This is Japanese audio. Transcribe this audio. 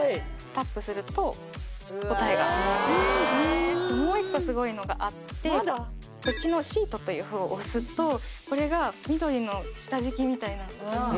タップすると答えが見れますでもう一個スゴいのがあってこっちのシートというほうを押すとこれが緑の下敷きみたいなのに変わります